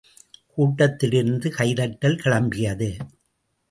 கூட்டத்திலிருந்து கைதட்டல் கிளம்பியது.